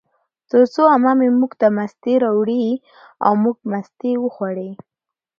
ترڅو عمه مې موږ ته مستې راوړې، او موږ مستې وخوړې